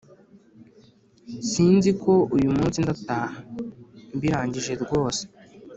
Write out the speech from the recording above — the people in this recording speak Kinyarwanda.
Sinziko uyu munsi ndataha mbirangije rwose